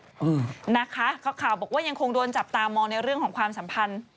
อืมนะคะเขาข่าวบอกว่ายังคงโดนจับตามองในเรื่องของความสัมพันธ์